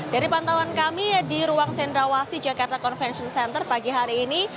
dari pantauan kami di ruang sendrawasi jakarta convention center pagi hari ini